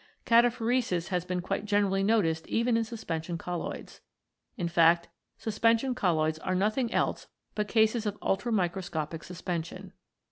Cataphoresis has been quite generally noticed even in suspension colloids. In fact, suspension colloids are nothing else but cases of ultramicro scopic suspension.